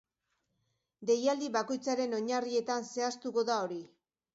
Deialdi bakoitzaren oinarrietan zehaztuko da hori.